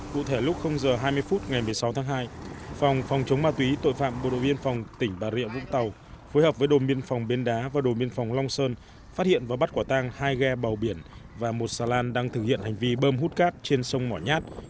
cụ thể lúc h hai mươi phút ngày một mươi sáu tháng hai phòng phòng chống ma túy tội phạm bộ đội biên phòng tỉnh bà rịa vũng tàu phối hợp với đồn biên phòng bến đá và đồn biên phòng long sơn phát hiện và bắt quả tang hai ghe bào biển và một xà lan đang thực hiện hành vi bơm hút cát trên sông mỏ nhát